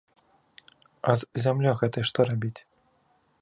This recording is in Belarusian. А з зямлёй гэтай што рабіць?